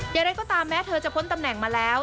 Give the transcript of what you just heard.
อย่างไรก็ตามแม้เธอจะพ้นตำแหน่งมาแล้ว